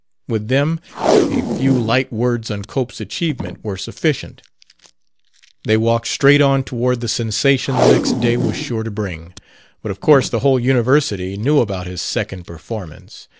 With them, a few light words on Cope's achievement were sufficient; they walked straight on toward the sensation the next day was sure to bring. But of course the whole University knew about his second performance.